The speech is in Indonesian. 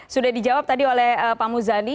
sudah dijawab tadi oleh pak muzani